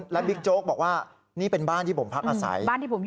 และบิ๊กโจ๊กบอกว่านี่เป็นบ้านที่ผมพักอาศัย